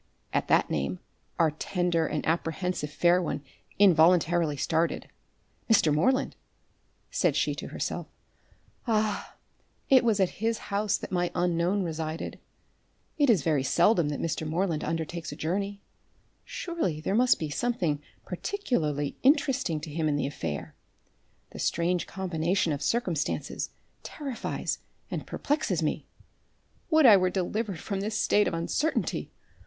At that name our tender and apprehensive fair one involuntarily started. "Mr. Moreland!" said she to herself, "Ah, it was at his house that my unknown resided. It is very seldom that Mr. Moreland undertakes a journey. Surely there must be something particularly interesting to him in the affair. The strange combination of circumstances terrifies and perplexes me. Would I were delivered from this state of uncertainty!